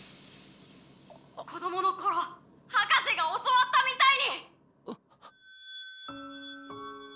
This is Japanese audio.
「子供の頃博士が教わったみたいに！」。